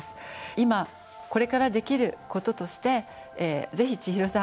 今これからできることとしてぜひちひろさん